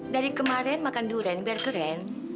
dari kemarin makan durian biar keren